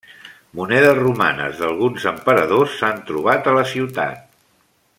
Monedes romanes d'alguns emperadors s'han trobat a la ciutat.